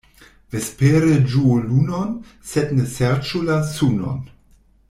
Vespere ĝuu lunon, sed ne serĉu la sunon.